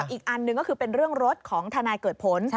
อีกอันหนึ่งก็คือเป็นเรื่องรถของทนายเกิดผล